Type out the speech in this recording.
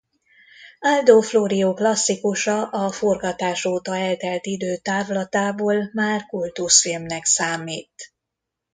Aldo Florio klasszikusa a forgatás óta eltelt idő távlatából már kultuszfilmnek számít.